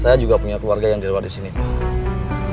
saya juga punya keluarga yang dirawat disini pak